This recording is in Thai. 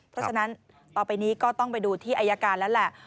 เพราะฉะนั้นต่อไปนี้ก็ต้องไปดูที่อายการแล้วแหละ